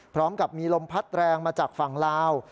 พร้อมกับมีลมพัดแรงมาจากฝั่งลาว